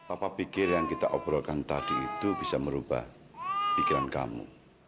apa pikir yang kita obrolkan tadi itu bisa merubah pikiran kamu